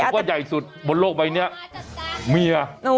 ว่าใหญ่สุดบนโลกใบนี้เมีย